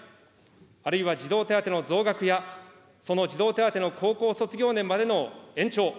あるいは児童手当の増額や、その児童手当の高校卒業年までの延長。